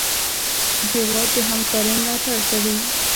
هېواد د همکارۍ ملاتړ کوي.